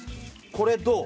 これどう？